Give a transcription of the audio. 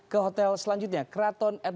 ke hotel selanjutnya kraton at